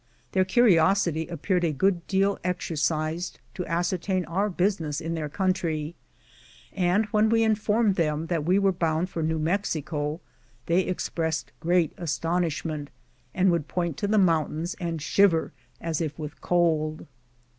Their curiosity appeared a good deal exercised to ascertain our business in their country ; and when we informed them that we were bound for New Mexico, they expressed great astonishment, and would point to the mountains and shiver as if with cold.